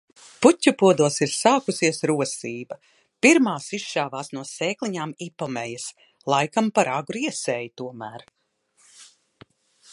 Puķupodos ir sākusies rosība. Pirmās izšāvās no sēkliņām ipomejas, laikam par agru iesēju tomēr.